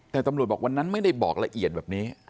แต่ตำรวจบอกวันนั้นไม่ได้บอกละเอียดแบบนี้